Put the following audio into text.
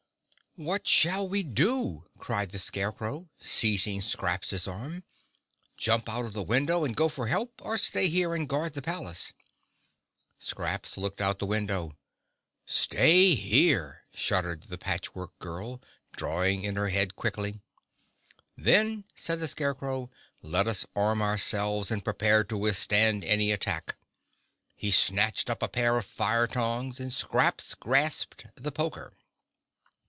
"What shall we do?" cried the Scarecrow, seizing Scraps' arm. "Jump out of the window and go for help, or stay here and guard the palace?" Scraps looked out of the window. "Stay here," shuddered the Patch Work Girl, drawing in her head quickly. "Then," said the Scarecrow, "let us arm ourselves and prepare to withstand any attack." He snatched up a pair of fire tongs and Scraps grasped the poker.